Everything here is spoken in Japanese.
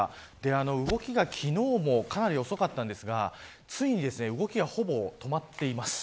動きが、昨日もかなり遅かったんですがついに動きがほぼ止まっています。